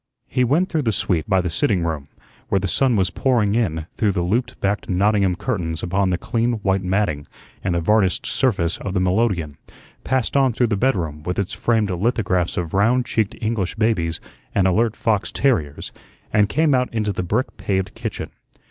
He went through the suite, by the sitting room, where the sun was pouring in through the looped backed Nottingham curtains upon the clean white matting and the varnished surface of the melodeon, passed on through the bedroom, with its framed lithographs of round cheeked English babies and alert fox terriers, and came out into the brick paved kitchen.